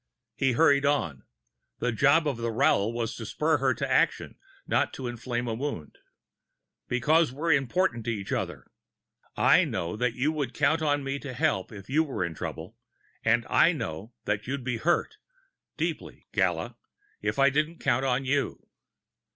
He hurried on; the job of the rowel was to spur her to action, not to inflame a wound. "Because we're important to each other. I know that you would count on me to help if you were in trouble. And I know that you'd be hurt deeply, Gala! if I didn't count on you."